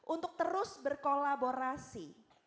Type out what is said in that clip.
untuk terus berkolaborasi